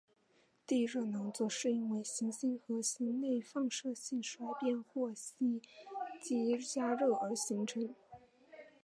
地热能则是因为行星核心内放射性衰变或吸积加热而形成。